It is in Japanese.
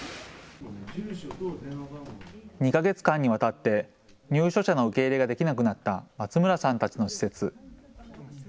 ２か月間にわたって入所者の受け入れができなくなった松村さんたちの施設。